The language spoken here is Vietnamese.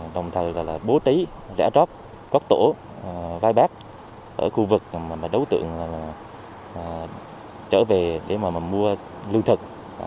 đồng thời bố tí rẽ trót cốt tổ vai bác ở khu vực đối tượng trở về mua lưu thực